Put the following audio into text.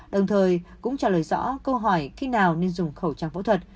đồng thời cũng trả lời rõ câu hỏi khi nào nên dùng khẩu trang phẫu thuật